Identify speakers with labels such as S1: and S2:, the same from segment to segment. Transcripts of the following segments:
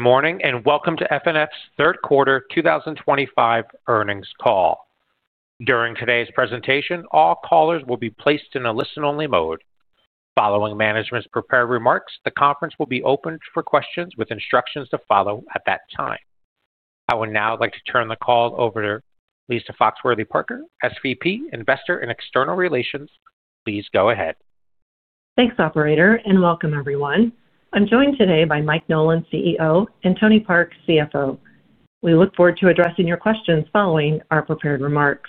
S1: Morning, and welcome to FNF's third quarter 2025 earnings call. During today's presentation, all callers will be placed in a listen-only mode. Following management's prepared remarks, the conference will be open for questions with instructions to follow at that time. I would now like to turn the call over to Lisa Foxworthy-Parker, SVP, Investor and External Relations. Please go ahead.
S2: Thanks, Operator, and welcome, everyone. I'm joined today by Mike Nolan, CEO, and Tony Park, CFO. We look forward to addressing your questions following our prepared remarks.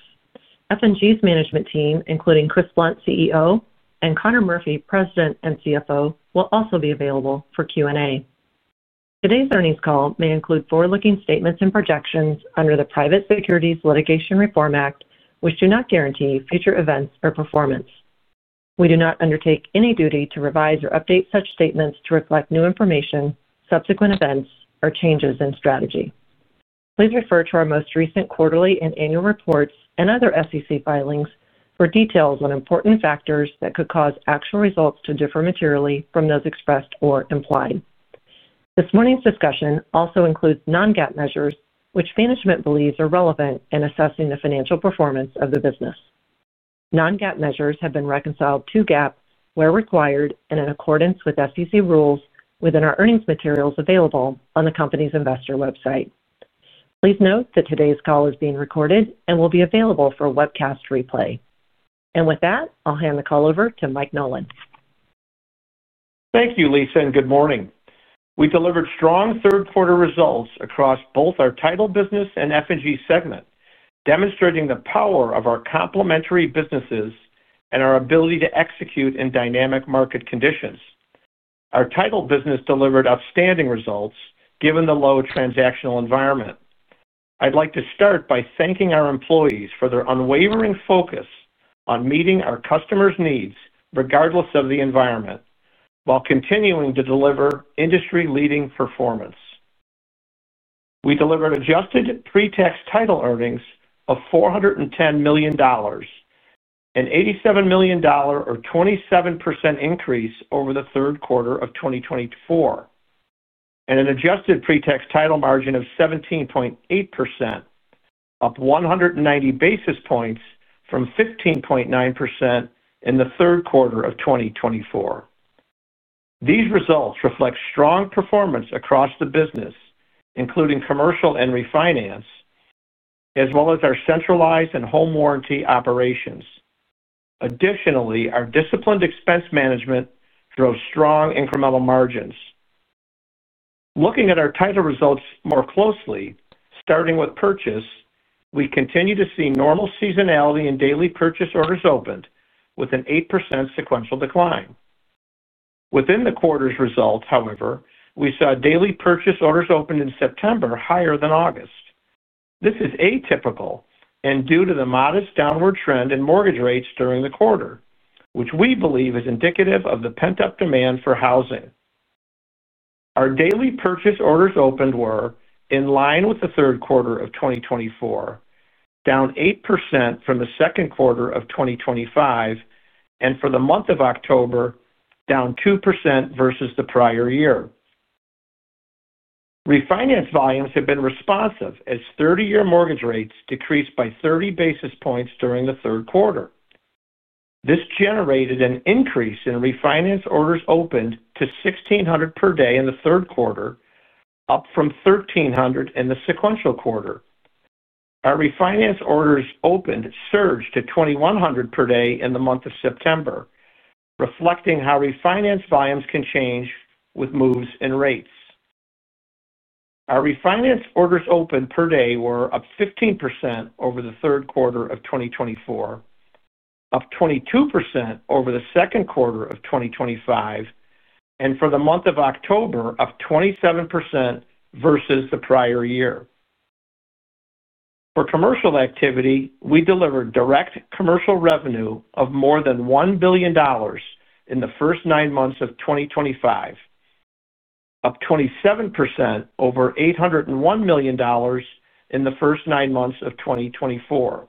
S2: F&G's management team, including Chris Blunt, CEO, and Conor Murphy, President and CFO, will also be available for Q&A. Today's earnings call may include forward-looking statements and projections under the Private Securities Litigation Reform Act, which do not guarantee future events or performance. We do not undertake any duty to revise or update such statements to reflect new information, subsequent events, or changes in strategy. Please refer to our most recent quarterly and annual reports and other SEC filings for details on important factors that could cause actual results to differ materially from those expressed or implied. This morning's discussion also includes non-GAAP measures, which management believes are relevant in assessing the financial performance of the business. Non-GAAP measures have been reconciled to GAAP where required and in accordance with SEC rules within our earnings materials available on the company's investor website. Please note that today's call is being recorded and will be available for a webcast replay. With that, I'll hand the call over to Mike Nolan.
S3: Thank you, Lisa, and good morning. We delivered strong third-quarter results across both our title business and F&G segment, demonstrating the power of our complementary businesses and our ability to execute in dynamic market conditions. Our title business delivered outstanding results given the low transactional environment. I'd like to start by thanking our employees for their unwavering focus on meeting our customers' needs regardless of the environment while continuing to deliver industry-leading performance. We delivered adjusted pre-tax title earnings of $410 million, an $87 million or 27% increase over the third quarter of 2024, and an adjusted pre-tax title margin of 17.8%, up 190 basis points from 15.9% in the third quarter of 2024. These results reflect strong performance across the business, including commercial and refinance, as well as our centralized and home warranty operations. Additionally, our disciplined expense management drove strong incremental margins. Looking at our title results more closely, starting with purchase, we continue to see normal seasonality and daily purchase orders opened with an 8% sequential decline. Within the quarter's results, however, we saw daily purchase orders opened in September higher than August. This is atypical and due to the modest downward trend in mortgage rates during the quarter, which we believe is indicative of the pent-up demand for housing. Our daily purchase orders opened were in line with the third quarter of 2024, down 8% from the second quarter of 2025, and for the month of October, down 2% versus the prior year. Refinance volumes have been responsive as 30-year mortgage rates decreased by 30 basis points during the third quarter. This generated an increase in refinance orders opened to 1,600 per day in the third quarter, up from 1,300 in the sequential quarter. Our refinance orders opened surged to 2,100 per day in the month of September, reflecting how refinance volumes can change with moves in rates. Our refinance orders opened per day were up 15% over the third quarter of 2024, up 22% over the second quarter of 2025, and for the month of October, up 27% versus the prior year. For commercial activity, we delivered direct commercial revenue of more than $1 billion in the first nine months of 2025, up 27% over $801 million in the first nine months of 2024.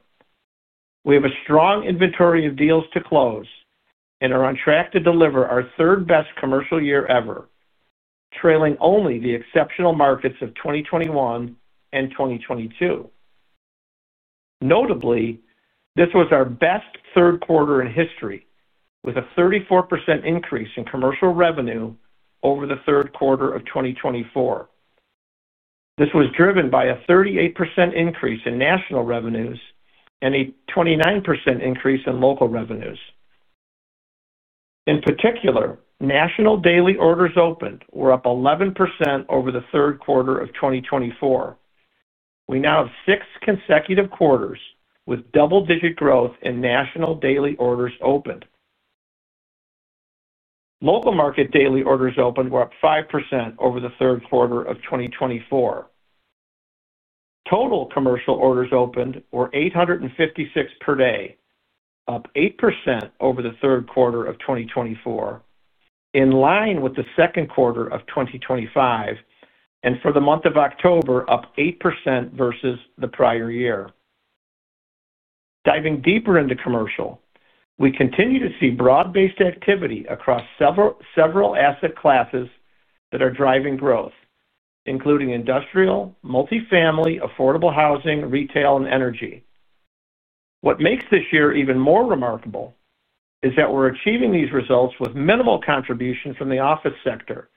S3: We have a strong inventory of deals to close and are on track to deliver our third-best commercial year ever, trailing only the exceptional markets of 2021 and 2022. Notably, this was our best third quarter in history, with a 34% increase in commercial revenue over the third quarter of 2024. This was driven by a 38% increase in national revenues and a 29% increase in local revenues. In particular, national daily orders opened were up 11% over the third quarter of 2024. We now have six consecutive quarters with double-digit growth in national daily orders opened. Local market daily orders opened were up 5% over the third quarter of 2024. Total commercial orders opened were 856 per day, up 8% over the third quarter of 2024, in line with the second quarter of 2025, and for the month of October, up 8% versus the prior year. Diving deeper into commercial, we continue to see broad-based activity across several asset classes that are driving growth, including industrial, multifamily, affordable housing, retail, and energy. What makes this year even more remarkable is that we're achieving these results with minimal contributions from the office sector,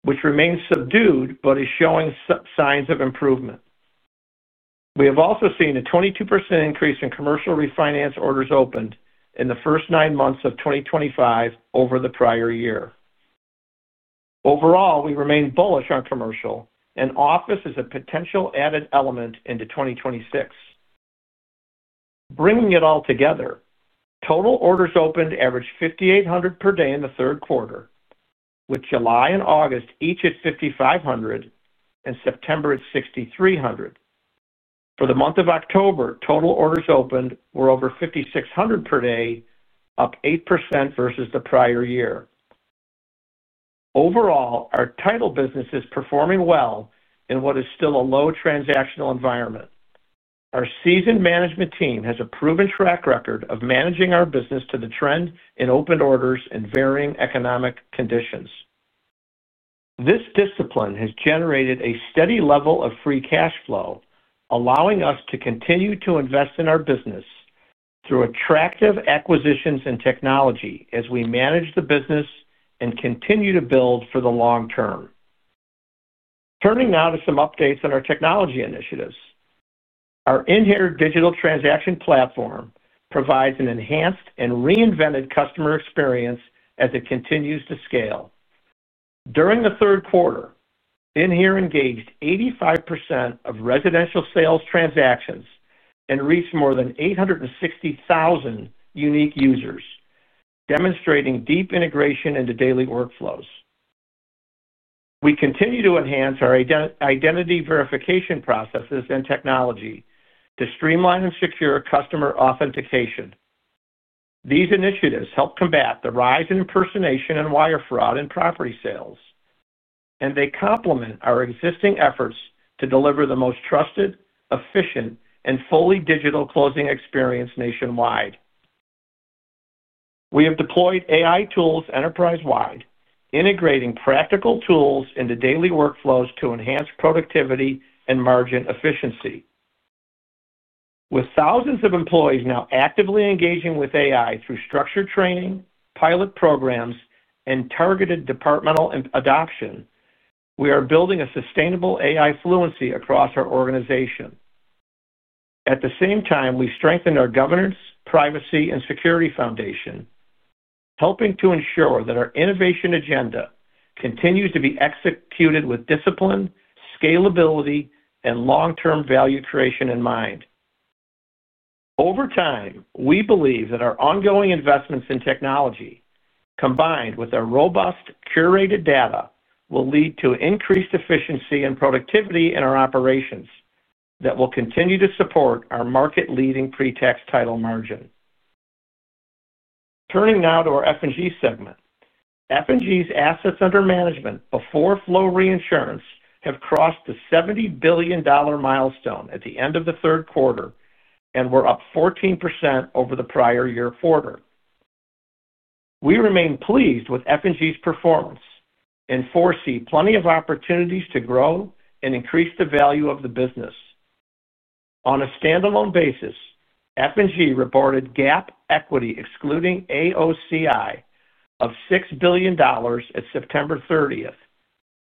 S3: which remains subdued but is showing signs of improvement. We have also seen a 22% increase in commercial refinance orders opened in the first nine months of 2025 over the prior year. Overall, we remain bullish on commercial, and office is a potential added element into 2026. Bringing it all together, total orders opened averaged 5,800 per day in the third quarter, with July and August each at 5,500 and September at 6,300. For the month of October, total orders opened were over 5,600 per day, up 8% versus the prior year. Overall, our title business is performing well in what is still a low transactional environment. Our seasoned management team has a proven track record of managing our business to the trend in open orders and varying economic conditions. This discipline has generated a steady level of free cash flow, allowing us to continue to invest in our business through attractive acquisitions and technology as we manage the business and continue to build for the long term. Turning now to some updates on our technology initiatives. Our inHere digital transaction platform provides an enhanced and reinvented customer experience as it continues to scale. During the third quarter, inHere engaged 85% of residential sales transactions and reached more than 860,000 unique users, demonstrating deep integration into daily workflows. We continue to enhance our identity verification processes and technology to streamline and secure customer authentication. These initiatives help combat the rise in impersonation and wire fraud in property sales, and they complement our existing efforts to deliver the most trusted, efficient, and fully digital closing experience nationwide. We have deployed AI tools enterprise-wide, integrating practical tools into daily workflows to enhance productivity and margin efficiency. With thousands of employees now actively engaging with AI through structured training, pilot programs, and targeted departmental adoption, we are building a sustainable AI fluency across our organization. At the same time, we strengthen our governance, privacy, and security foundation, helping to ensure that our innovation agenda continues to be executed with discipline, scalability, and long-term value creation in mind. Over time, we believe that our ongoing investments in technology, combined with our robust curated data, will lead to increased efficiency and productivity in our operations that will continue to support our market-leading pre-tax title margin. Turning now to our F&G segment, F&G's assets under management before flow reinsurance have crossed the $70 billion milestone at the end of the third quarter and were up 14% over the prior year quarter. We remain pleased with F&G's performance and foresee plenty of opportunities to grow and increase the value of the business. On a standalone basis, F&G reported GAAP equity excluding AOCI of $6 billion at September 30th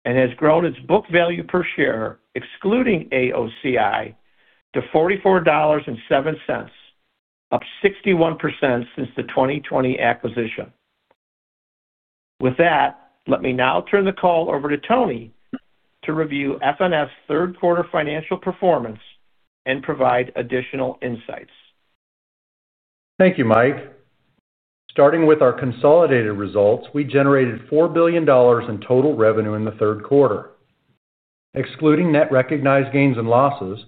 S3: and has grown its book value per share excluding AOCI to $44.07, up 61% since the 2020 acquisition. With that, let me now turn the call over to Tony to review FNF's third-quarter financial performance and provide additional insights.
S4: Thank you, Mike. Starting with our consolidated results, we generated $4 billion in total revenue in the third quarter. Excluding net recognized gains and losses,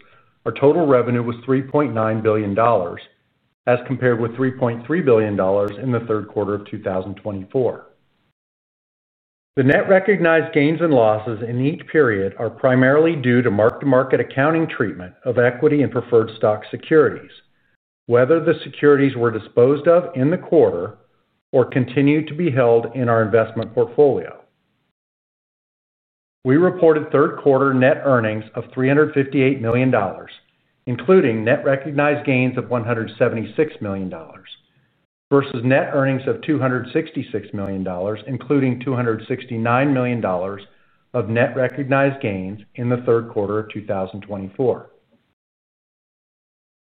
S4: our total revenue was $3.9 billion, as compared with $3.3 billion in the third quarter of 2024. The net recognized gains and losses in each period are primarily due to mark-to-market accounting treatment of equity and preferred stock securities, whether the securities were disposed of in the quarter or continued to be held in our investment portfolio. We reported third-quarter net earnings of $358 million, including net recognized gains of $176 million, versus net earnings of $266 million, including $269 million of net recognized gains in the third quarter of 2024.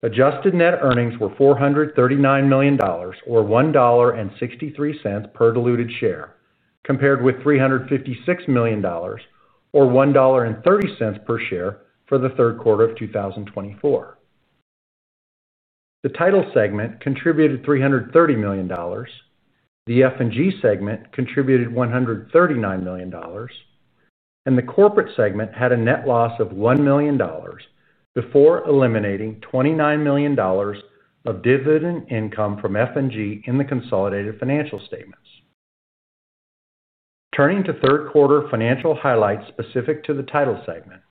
S4: Adjusted net earnings were $439 million, or $1.63 per diluted share, compared with $356 million, or $1.30 per share for the third quarter of 2024. The title segment contributed $330 million, the F&G segment contributed $139 million, and the corporate segment had a net loss of $1 million before eliminating $29 million of dividend income from F&G in the consolidated financial statements. Turning to third-quarter financial highlights specific to the title segment,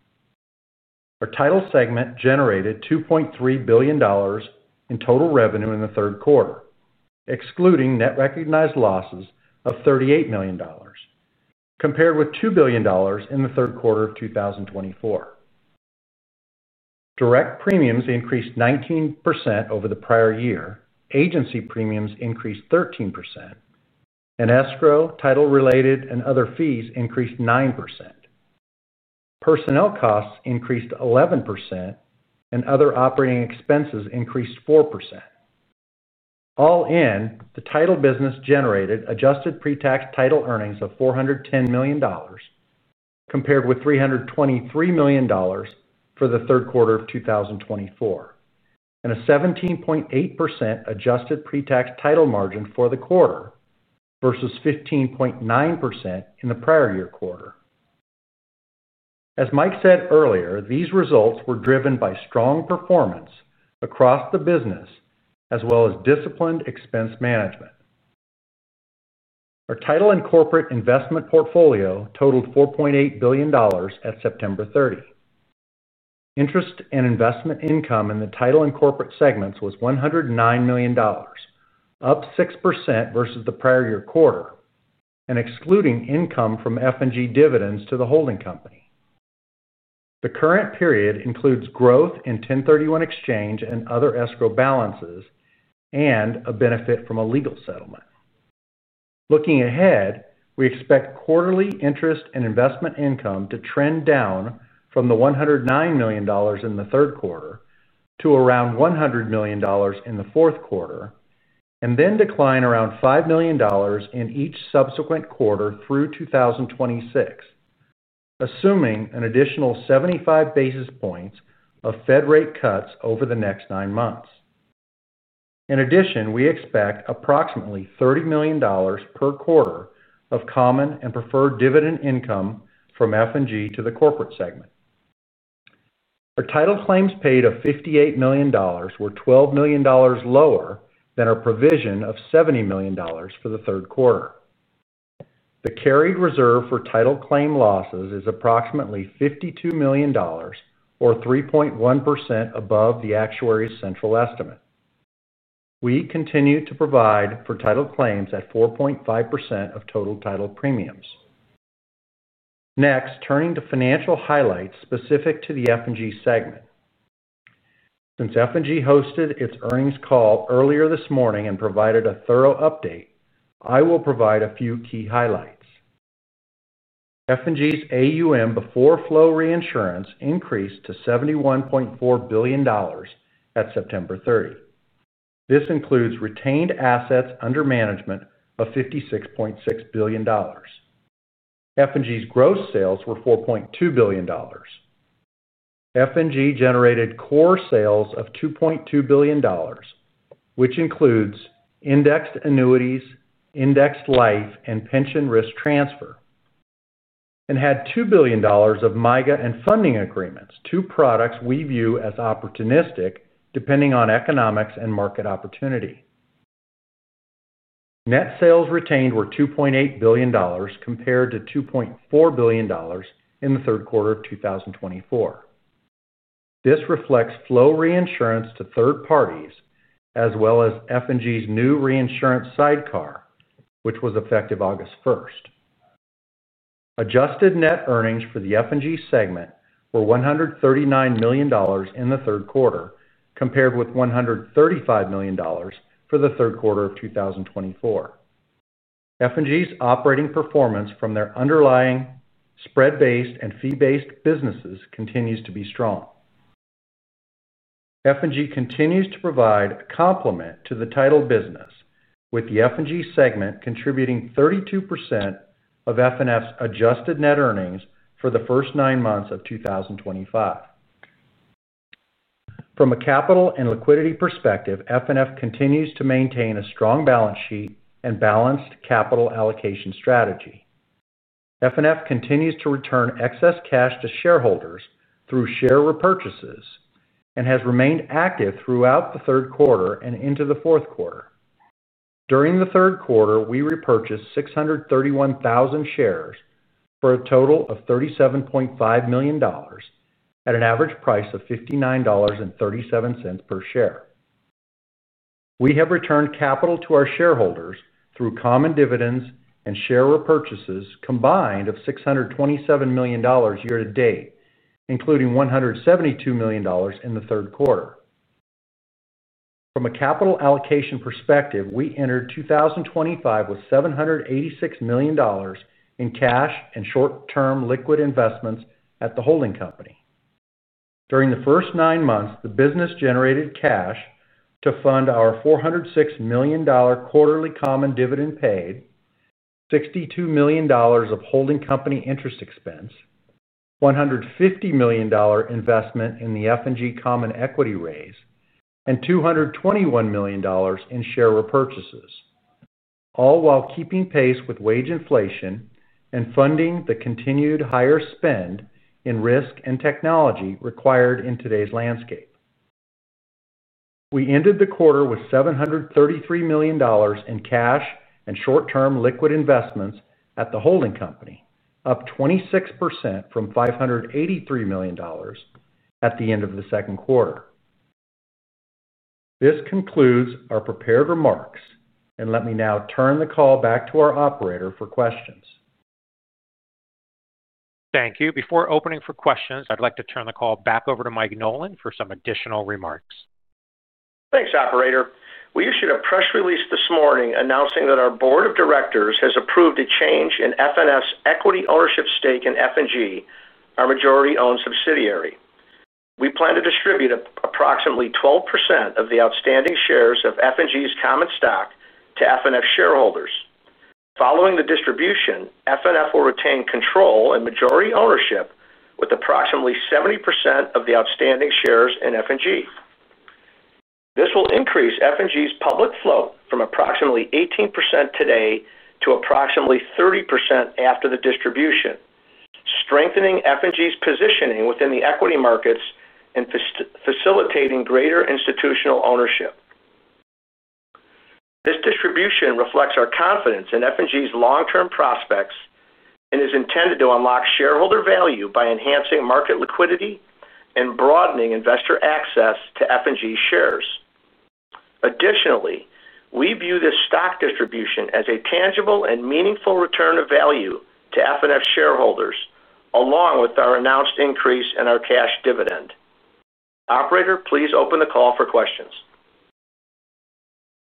S4: our title segment generated $2.3 billion in total revenue in the third quarter, excluding net recognized losses of $38 million, compared with $2 billion in the third quarter of 2024. Direct premiums increased 19% over the prior year, agency premiums increased 13%, and escrow, title-related, and other fees increased 9%. Personnel costs increased 11%, and other operating expenses increased 4%. All in, the title business generated adjusted pre-tax title earnings of $410 million, compared with $323 million for the third quarter of 2024, and a 17.8% adjusted pre-tax title margin for the quarter versus 15.9% in the prior year quarter. As Mike said earlier, these results were driven by strong performance across the business as well as disciplined expense management. Our title and corporate investment portfolio totaled $4.8 billion at September 30. Interest and investment income in the title and corporate segments was $109 million, up 6% versus the prior year quarter, and excluding income from F&G dividends to the holding company. The current period includes growth in 1031 exchange and other escrow balances and a benefit from a legal settlement. Looking ahead, we expect quarterly interest and investment income to trend down from the $109 million in the third quarter to around $100 million in the fourth quarter, and then decline around $5 million in each subsequent quarter through 2026, assuming an additional 75 basis points of Fed rate cuts over the next nine months. In addition, we expect approximately $30 million per quarter of common and preferred dividend income from F&G to the corporate segment. Our title claims paid of $58 million were $12 million lower than our provision of $70 million for the third quarter. The carried reserve for title claim losses is approximately $52 million, or 3.1% above the actuary's central estimate. We continue to provide for title claims at 4.5% of total title premiums. Next, turning to financial highlights specific to the F&G segment. Since F&G hosted its earnings call earlier this morning and provided a thorough update, I will provide a few key highlights. F&G's AUM before flow reinsurance increased to $71.4 billion at September 30. This includes retained assets under management of $56.6 billion. F&G's gross sales were $4.2 billion. F&G generated core sales of $2.2 billion, which includes indexed annuities, indexed life, and pension risk transfer, and had $2 billion of MIGA and funding agreements, two products we view as opportunistic depending on economics and market opportunity. Net sales retained were $2.8 billion compared to $2.4 billion in the third quarter of 2024. This reflects flow reinsurance to third parties as well as F&G's new reinsurance sidecar, which was effective August 1st. Adjusted net earnings for the F&G segment were $139 million in the third quarter compared with $135 million for the third quarter of 2024. F&G's operating performance from their underlying spread-based and fee-based businesses continues to be strong. F&G continues to provide a complement to the title business, with the F&G segment contributing 32% of FNF's adjusted net earnings for the first nine months of 2025. From a capital and liquidity perspective, FNF continues to maintain a strong balance sheet and balanced capital allocation strategy. FNF continues to return excess cash to shareholders through share repurchases and has remained active throughout the third quarter and into the fourth quarter. During the third quarter, we repurchased 631,000 shares for a total of $37.5 million at an average price of $59.37 per share. We have returned capital to our shareholders through common dividends and share repurchases combined of $627 million year to date, including $172 million in the third quarter. From a capital allocation perspective, we entered 2025 with $786 million in cash and short-term liquid investments at the holding company. During the first nine months, the business generated cash to fund our $406 million quarterly common dividend paid, $62 million of holding company interest expense, $150 million investment in the F&G common equity raise, and $221 million in share repurchases, all while keeping pace with wage inflation and funding the continued higher spend in risk and technology required in today's landscape. We ended the quarter with $733 million in cash and short-term liquid investments at the holding company, up 26% from $583 million at the end of the second quarter. This concludes our prepared remarks, and let me now turn the call back to our operator for questions.
S1: Thank you. Before opening for questions, I'd like to turn the call back over to Mike Nolan for some additional remarks.
S3: Thanks, Operator. We issued a press release this morning announcing that our Board of Directors has approved a change in FNF's equity ownership stake in F&G, our majority-owned subsidiary. We plan to distribute approximately 12% of the outstanding shares of F&G's common stock to FNF shareholders. Following the distribution, FNF will retain control and majority ownership with approximately 70% of the outstanding shares in F&G. This will increase F&G's public float from approximately 18% today to approximately 30% after the distribution, strengthening F&G's positioning within the equity markets and facilitating greater institutional ownership. This distribution reflects our confidence in F&G's long-term prospects and is intended to unlock shareholder value by enhancing market liquidity and broadening investor access to F&G shares. Additionally, we view this stock distribution as a tangible and meaningful return of value to FNF shareholders, along with our announced increase in our cash dividend. Operator, please open the call for questions.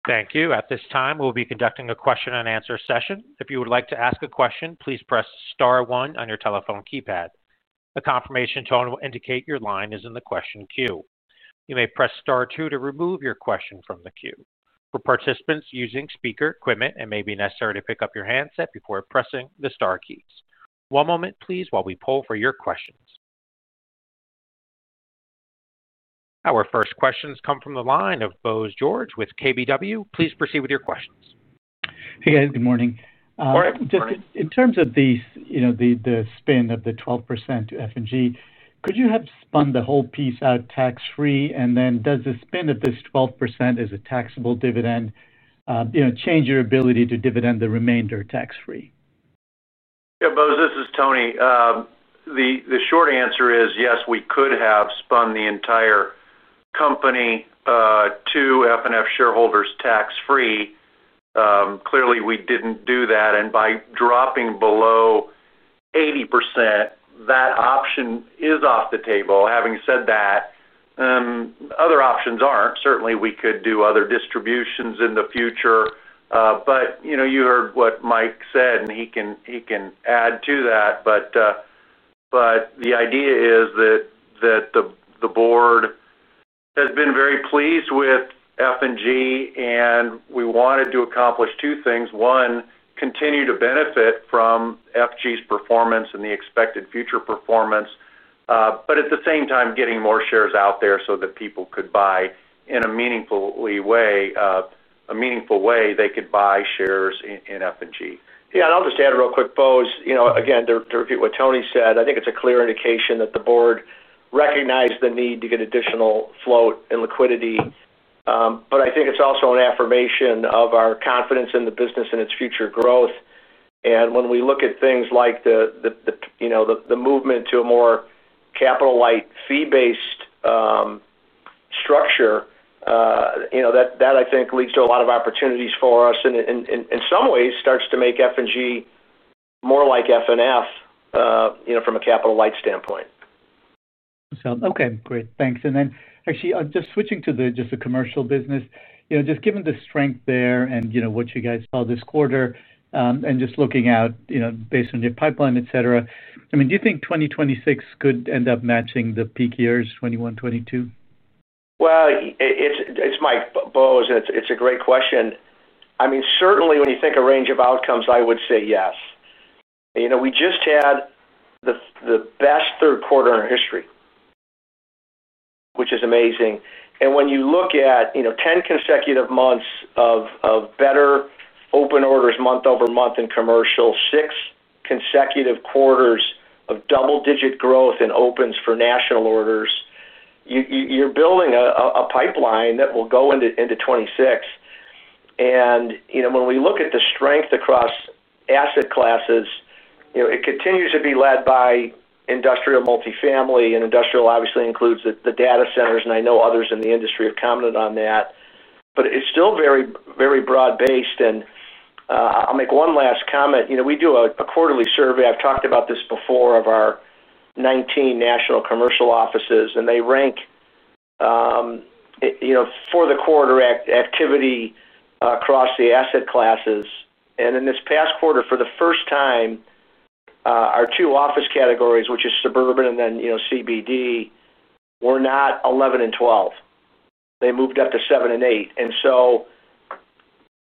S1: Thank you. At this time, we'll be conducting a question-and-answer session. If you would like to ask a question, please press star one on your telephone keypad. A confirmation tone will indicate your line is in the question queue. You may press star two to remove your question from the queue. For participants using speaker equipment, it may be necessary to pick up your handset before pressing the star keys. One moment, please, while we pull for your questions. Our first questions come from the line of Bose George with KBW. Please proceed with your questions.
S5: Hey, guys. Good morning.
S3: Morning.
S4: Morning.
S5: Just in terms of the spend of the 12% to F&G, could you have spun the whole piece out tax-free? And then does the spend of this 12% as a taxable dividend change your ability to dividend the remainder tax-free?
S4: Yeah, Bose, this is Tony. The short answer is yes, we could have spun the entire company to FNF shareholders tax-free. Clearly, we did not do that. By dropping below 80%, that option is off the table. Having said that, other options are not. Certainly, we could do other distributions in the future. You heard what Mike said, and he can add to that. The idea is that the board has been very pleased with F&G, and we wanted to accomplish two things. One, continue to benefit from F&G's performance and the expected future performance, but at the same time, getting more shares out there so that people could buy in a meaningful way, a meaningful way they could buy shares in F&G.
S3: Yeah, and I'll just add real quick, Bose, again, to repeat what Tony said, I think it's a clear indication that the board recognized the need to get additional float and liquidity. I think it's also an affirmation of our confidence in the business and its future growth. When we look at things like the movement to a more capital-light, fee-based structure, that, I think, leads to a lot of opportunities for us and in some ways starts to make F&G more like FNF from a capital-light standpoint.
S5: Sounds okay. Great. Thanks. Actually, just switching to just the commercial business, just given the strength there and what you guys saw this quarter and just looking out based on your pipeline, etc., I mean, do you think 2026 could end up matching the peak years, 2021, 2022?
S3: It's Mike Bose, and it's a great question. I mean, certainly, when you think of range of outcomes, I would say yes. We just had the best third quarter in our history, which is amazing. And when you look at 10 consecutive months of better open orders month over month in commercial, six consecutive quarters of double-digit growth in opens for national orders, you're building a pipeline that will go into 2026. And when we look at the strength across asset classes, it continues to be led by industrial multifamily, and industrial obviously includes the data centers, and I know others in the industry are commented on that. But it's still very broad-based. I will make one last comment. We do a quarterly survey. I've talked about this before of our 19 national commercial offices, and they rank for the quarter activity across the asset classes. In this past quarter, for the first time, our two office categories, which is suburban and then CBD, were not 11 and 12. They moved up to 7 and 8.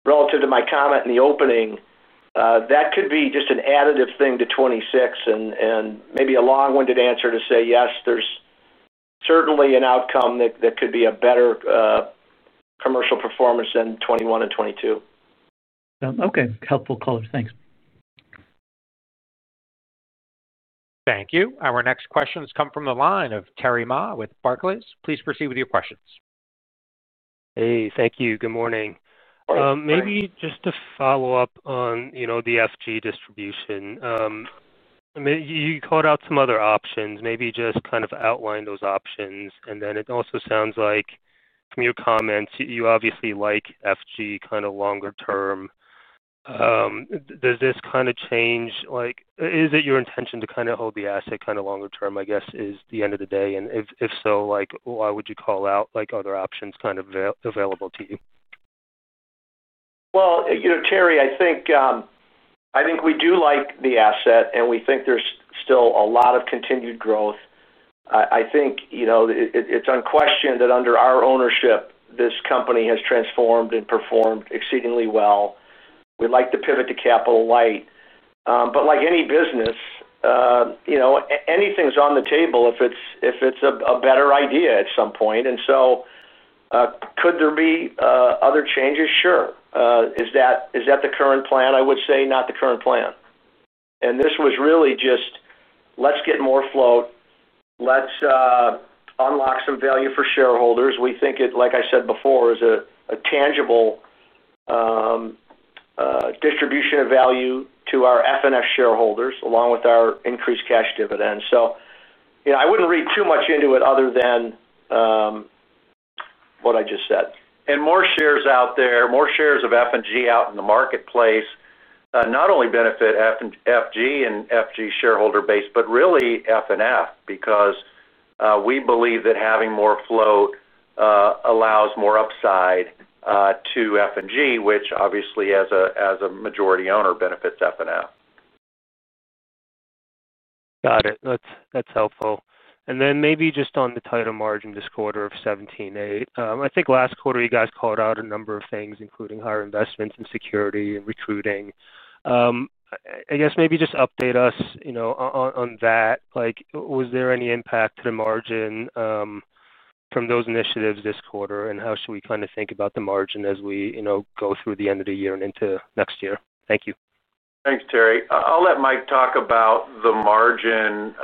S3: Relative to my comment in the opening, that could be just an additive thing to 2026 and maybe a long-winded answer to say yes, there is certainly an outcome that could be a better commercial performance than 2021 and 2022.
S5: Okay. Helpful color. Thanks.
S1: Thank you. Our next questions come from the line of Terry Ma with Barclays. Please proceed with your questions.
S6: Hey, thank you. Good morning.
S3: Morning.
S6: Maybe just to follow up on the F&G distribution. You called out some other options. Maybe just kind of outline those options. It also sounds like from your comments, you obviously like F&G kind of longer term. Does this kind of change? Is it your intention to kind of hold the asset kind of longer term, I guess, at the end of the day? If so, why would you call out other options kind of available to you?
S3: Terry, I think we do like the asset, and we think there's still a lot of continued growth. I think it's unquestioned that under our ownership, this company has transformed and performed exceedingly well. We'd like to pivot to capital light. Like any business, anything's on the table if it's a better idea at some point. Could there be other changes? Sure. Is that the current plan? I would say not the current plan. This was really just, let's get more float. Let's unlock some value for shareholders. We think it, like I said before, is a tangible distribution of value to our FNF shareholders along with our increased cash dividend. I wouldn't read too much into it other than what I just said. More shares out there, more shares of F&G out in the marketplace not only benefit F&G and F&G shareholder base, but really FNF because we believe that having more float allows more upside to F&G, which obviously as a majority owner benefits FNF.
S6: Got it. That's helpful. Maybe just on the title margin this quarter of 17.8%, I think last quarter you guys called out a number of things, including higher investments in security and recruiting. I guess maybe just update us on that. Was there any impact to the margin from those initiatives this quarter? How should we kind of think about the margin as we go through the end of the year and into next year? Thank you.
S4: Thanks, Terry. I'll let Mike talk about the margin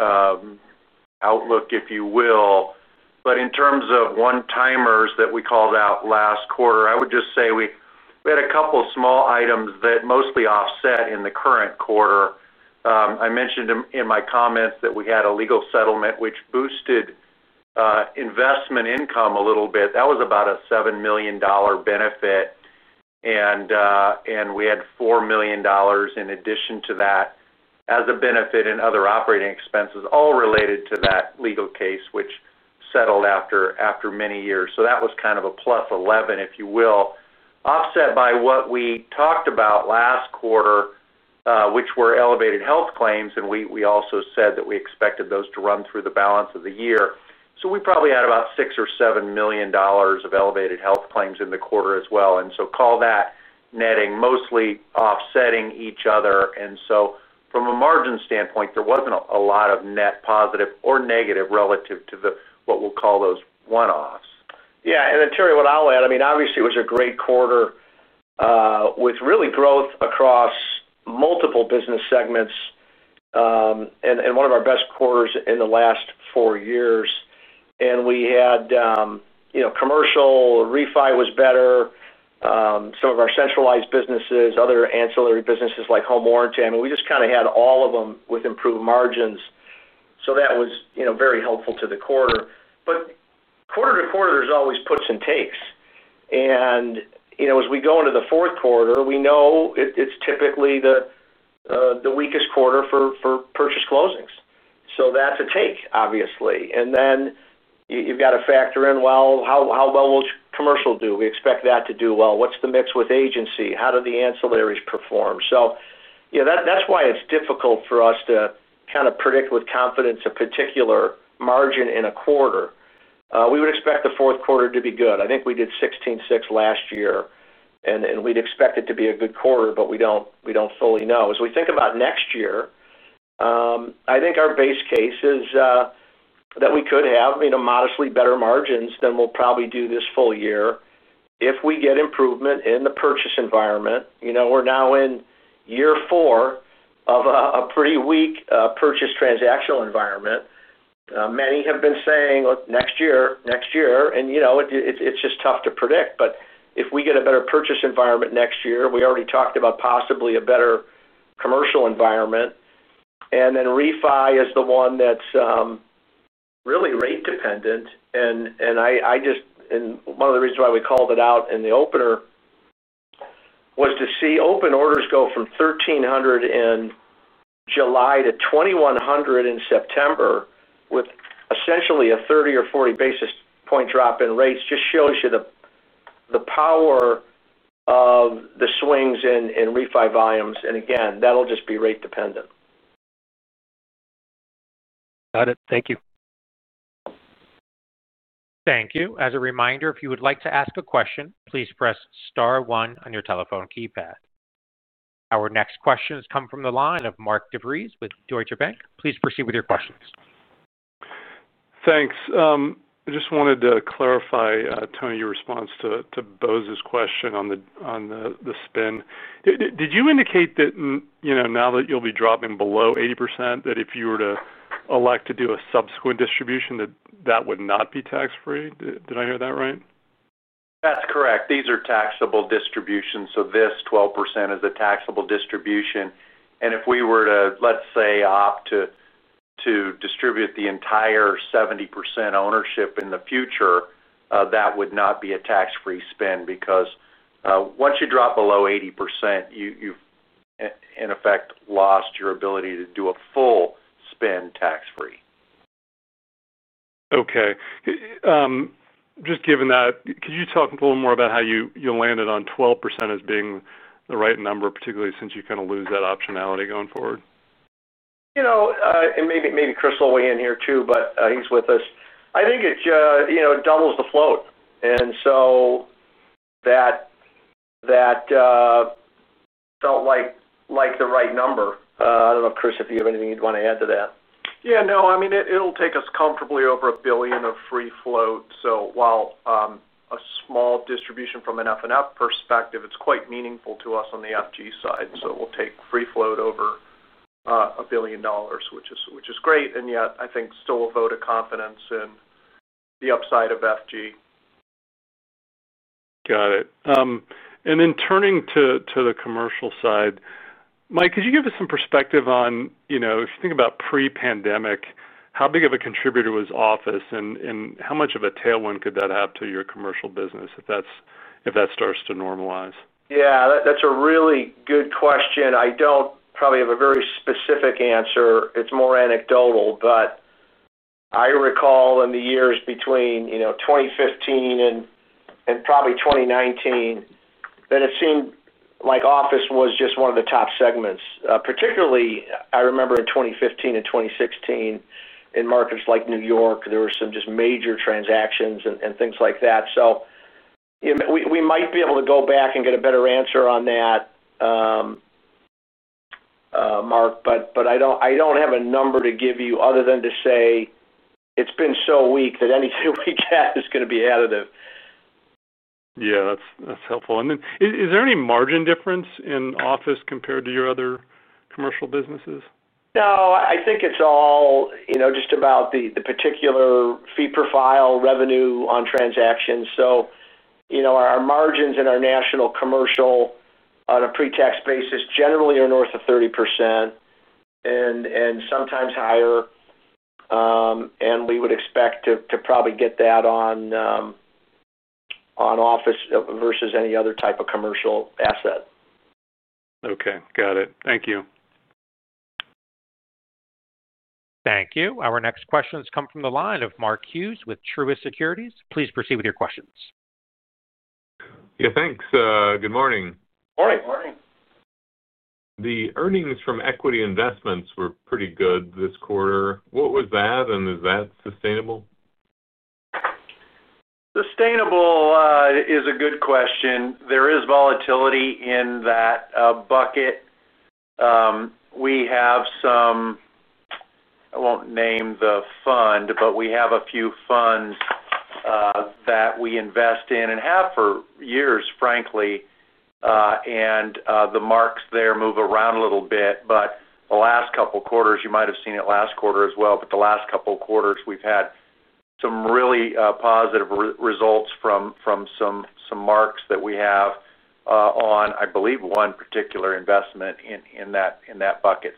S4: outlook, if you will. In terms of one-timers that we called out last quarter, I would just say we had a couple of small items that mostly offset in the current quarter. I mentioned in my comments that we had a legal settlement, which boosted investment income a little bit. That was about a $7 million benefit. We had $4 million in addition to that as a benefit in other operating expenses all related to that legal case, which settled after many years. That was kind of a +$11 million, if you will, offset by what we talked about last quarter, which were elevated health claims. We also said that we expected those to run through the balance of the year. We probably had about $6 million or $7 million of elevated health claims in the quarter as well. Call that netting, mostly offsetting each other. From a margin standpoint, there was not a lot of net positive or negative relative to what we will call those one-offs.
S3: Yeah. Terry, what I will add, I mean, obviously, it was a great quarter with really growth across multiple business segments and one of our best quarters in the last four years. We had commercial, refi was better, some of our centralized businesses, other ancillary businesses like home warranty. I mean, we just kind of had all of them with improved margins. That was very helpful to the quarter. Quarter to quarter, there are always puts and takes. As we go into the fourth quarter, we know it is typically the weakest quarter for purchase closings. That's a take, obviously. Then you've got to factor in, well, how well will commercial do? We expect that to do well. What's the mix with agency? How do the ancillaries perform? That's why it's difficult for us to kind of predict with confidence a particular margin in a quarter. We would expect the fourth quarter to be good. I think we did $16.6 million last year, and we'd expect it to be a good quarter, but we don't fully know. As we think about next year, I think our base case is that we could have modestly better margins than we'll probably do this full year if we get improvement in the purchase environment. We're now in year four of a pretty weak purchase transactional environment. Many have been saying, "Next year, next year." It's just tough to predict. If we get a better purchase environment next year, we already talked about possibly a better commercial environment. Refi is the one that is really rate-dependent. One of the reasons why we called it out in the opener was to see open orders go from 1,300 in July to 2,100 in September with essentially a 30 or 40 basis point drop in rates. It just shows you the power of the swings in refi volumes. Again, that will just be rate-dependent.
S6: Got it. Thank you.
S1: Thank you. As a reminder, if you would like to ask a question, please press star one on your telephone keypad. Our next questions come from the line of Mark DeVries with Deutsche Bank. Please proceed with your questions.
S7: Thanks. I just wanted to clarify, Tony, your response to Bose's question on the spin. Did you indicate that now that you'll be dropping below 80%, that if you were to elect to do a subsequent distribution, that that would not be tax-free? Did I hear that right?
S4: That's correct. These are taxable distributions. This 12% is a taxable distribution. If we were to, let's say, opt to distribute the entire 70% ownership in the future, that would not be a tax-free spend because once you drop below 80%, you've in effect lost your ability to do a full spend tax-free.
S7: Okay. Just given that, could you talk a little more about how you landed on 12% as being the right number, particularly since you kind of lose that optionality going forward?
S3: Maybe Chris will weigh in here too, but he's with us. I think it doubles the float. That felt like the right number. I don't know, Chris, if you have anything you'd want to add to that.
S8: Yeah. No, I mean, it'll take us comfortably over $1 billion of free float. While a small distribution from an FNF perspective, it's quite meaningful to us on the F&G side. We'll take free float over $1 billion, which is great. Yet, I think still a vote of confidence in the upside of F&G.
S7: Got it. Turning to the commercial side, Mike, could you give us some perspective on, if you think about pre-pandemic, how big of a contributor was Office and how much of a tailwind could that have to your commercial business if that starts to normalize?
S3: Yeah. That's a really good question. I don't probably have a very specific answer. It's more anecdotal. I recall in the years between 2015 and probably 2019, that it seemed like Office was just one of the top segments. Particularly, I remember in 2015 and 2016, in markets like New York, there were some just major transactions and things like that. We might be able to go back and get a better answer on that, Mark, but I don't have a number to give you other than to say it's been so weak that anything we get is going to be additive.
S7: Yeah. That's helpful. Is there any margin difference in Office compared to your other commercial businesses?
S3: No. I think it's all just about the particular fee profile revenue on transactions. Our margins in our national commercial on a pre-tax basis generally are north of 30% and sometimes higher. We would expect to probably get that on Office versus any other type of commercial asset.
S7: Okay. Got it. Thank you.
S1: Thank you. Our next questions come from the line of Mark Hughes with Truist Securities. Please proceed with your questions.
S9: Yeah. Thanks. Good morning.
S3: Morning.
S4: Good morning.
S9: The earnings from equity investments were pretty good this quarter. What was that, and is that sustainable?
S4: Sustainable is a good question. There is volatility in that bucket. We have some—I will not name the fund, but we have a few funds that we invest in and have for years, frankly. The marks there move around a little bit. The last couple of quarters, you might have seen it last quarter as well, but the last couple of quarters, we have had some really positive results from some marks that we have on, I believe, one particular investment in that bucket.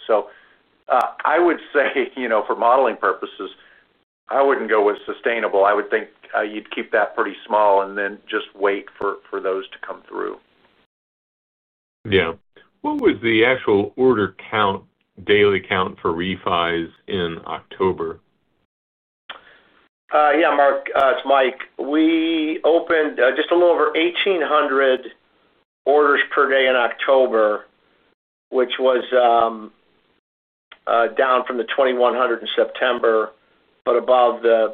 S4: I would say for modeling purposes, I would not go with sustainable. I would think you would keep that pretty small and then just wait for those to come through.
S9: Yeah. What was the actual order count, daily count for refis in October?
S3: Yeah, Mark. It's Mike. We opened just a little over 1,800 orders per day in October, which was down from the 2,100 in September, but above the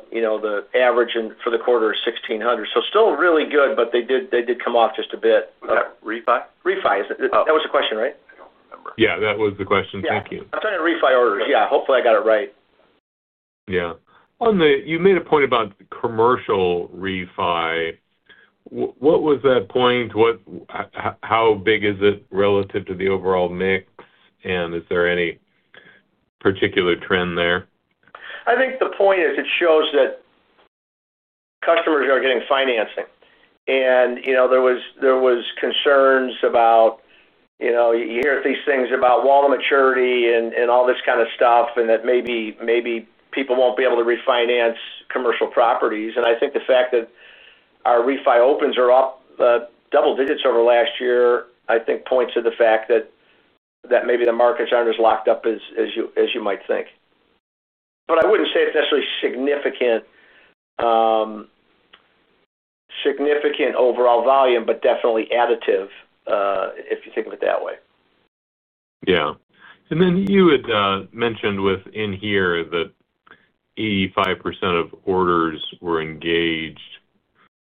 S3: average for the quarter of 1,600. So still really good, but they did come off just a bit.
S4: Refi?
S3: Refi. That was the question, right?
S4: I don't remember.
S9: Yeah. That was the question. Thank you.
S3: Yeah. I'm talking refi orders. Yeah. Hopefully, I got it right.
S9: Yeah. You made a point about commercial refi. What was that point? How big is it relative to the overall mix? Is there any particular trend there?
S3: I think the point is it shows that customers are getting financing. There was concern about, you hear these things about wall of maturity and all this kind of stuff, and that maybe people will not be able to refinance commercial properties. I think the fact that our refi opens are up double digits over last year, I think points to the fact that maybe the markets are not as locked up as you might think. I would not say it is necessarily significant overall volume, but definitely additive if you think of it that way.
S9: Yeah. You had mentioned within here that 85% of orders were engaged.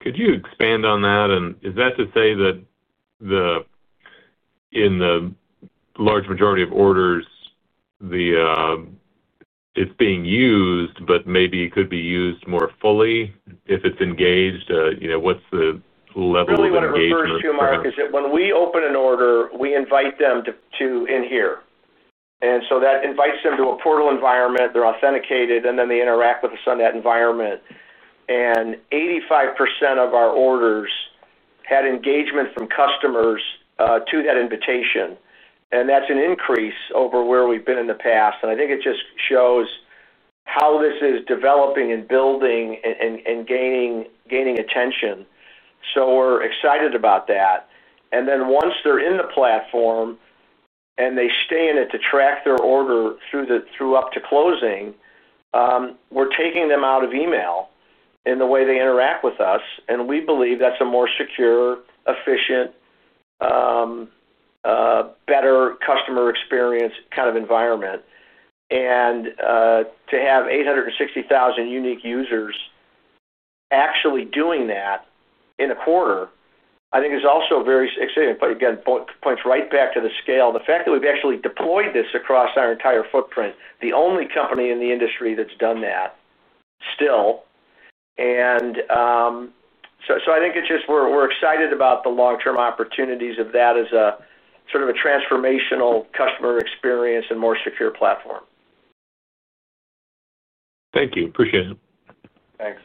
S9: Could you expand on that? Is that to say that in the large majority of orders, it's being used, but maybe it could be used more fully if it's engaged? What's the level of engagement?
S3: Really what I'm referring to, Mark, is that when we open an order, we invite them to inHere. That invites them to a portal environment. They're authenticated, and then they interact with us on that environment. 85% of our orders had engagement from customers to that invitation. That's an increase over where we've been in the past. I think it just shows how this is developing and building and gaining attention. We're excited about that. Once they're in the platform and they stay in it to track their order through up to closing, we're taking them out of email in the way they interact with us. We believe that's a more secure, efficient, better customer experience kind of environment. To have 860,000 unique users actually doing that in a quarter, I think is also very exciting. Again, points right back to the scale. The fact that we've actually deployed this across our entire footprint, the only company in the industry that's done that still. I think it's just we're excited about the long-term opportunities of that as a sort of a transformational customer experience and more secure platform.
S9: Thank you. Appreciate it.
S3: Thanks.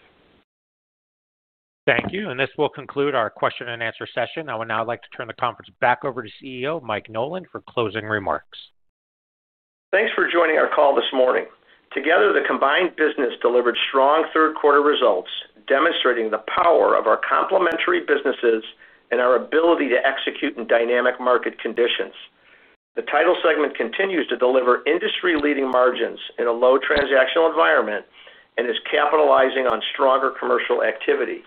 S1: Thank you. This will conclude our question and answer session. I would now like to turn the conference back over to CEO Mike Nolan for closing remarks.
S3: Thanks for joining our call this morning. Together, the combined business delivered strong third-quarter results, demonstrating the power of our complementary businesses and our ability to execute in dynamic market conditions. The title segment continues to deliver industry-leading margins in a low transactional environment and is capitalizing on stronger commercial activity.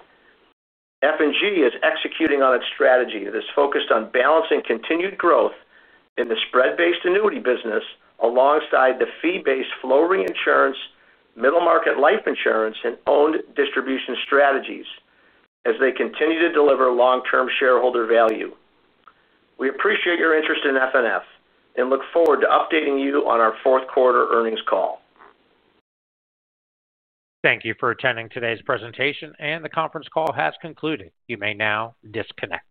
S3: F&G is executing on its strategy that is focused on balancing continued growth in the spread-based annuity business alongside the fee-based floating insurance, middle market life insurance, and owned distribution strategies as they continue to deliver long-term shareholder value. We appreciate your interest in FNF and look forward to updating you on our fourth quarter earnings call.
S1: Thank you for attending today's presentation, and the conference call has concluded. You may now disconnect.